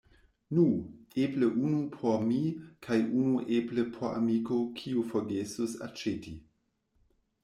Nu, eble unu por mi, kaj unu eble por amiko kiu forgesus aĉeti.